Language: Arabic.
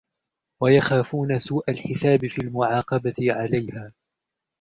وَيَخَافُونَ سُوءَ الْحِسَابِ فِي الْمُعَاقَبَةِ عَلَيْهَا